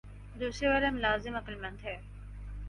دوسرے والا ملازم عقلمند ہے